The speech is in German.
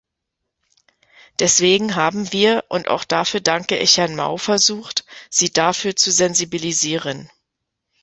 Deswegen haben wir und auch dafür danke ich Herrn Mauversucht, Sie dafür zu sensibilisieren.